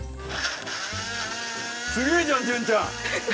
すげえじゃん潤ちゃん。